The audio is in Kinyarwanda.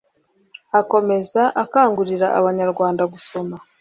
akomeza akangurira abanyarwanda gusoma